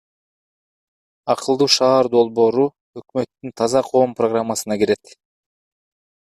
Акылдуу шаар долбоору өкмөттүн Таза коом программасына кирет.